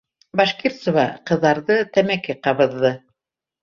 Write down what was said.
Башкирцева ҡыҙарҙы, тәмәке ҡабыҙҙы.